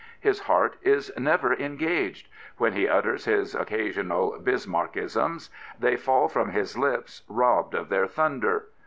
His heart is never engaged. When he utters his occasional Bismarckisms, they fall from his lips robbed of their thunder.